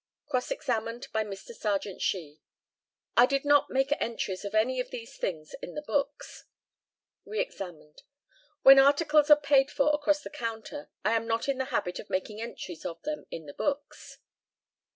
Cross examined by Mr. Sergeant SHEE. I did not make entries of any of these things in the books. Re examined: When articles are paid for across the counter I am not in the habit of making entries of them in the books.